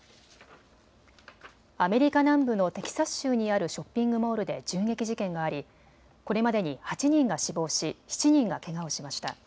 アメリカ南部のテキサス州にあるショッピングモールで銃撃事件がありこれまでに８人が死亡し７人がけがをしました。